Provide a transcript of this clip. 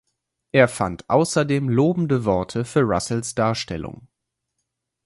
Er fand außerdem lobende Worte für Russells Darstellung.